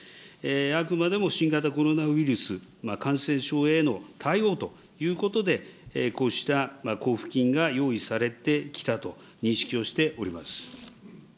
あくまでも新型コロナウイルス感染症への対応ということで、こうした交付金が用意されてきたと認識をしております。